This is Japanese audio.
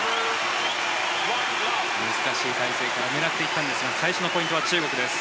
難しい体勢から狙っていったんですが最初のポイントは中国です。